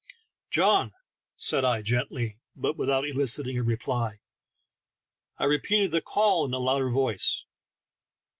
"John!" said I, gently, but without eliciting a reply. I repeated the call in a louder voice.